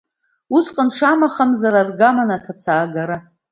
Усҟан, шамахамзар, аргаман аҭацаагара.